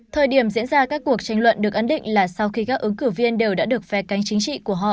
thời điểm diễn ra các cuộc tranh luận được ấn định là sau khi các ứng cử viên đều đã được phe cánh chính trị của họ